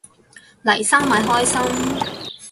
黎生咪開心